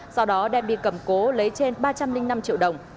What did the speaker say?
sau đó đem đi cầm cố lấy trên ba trăm linh năm triệu đồng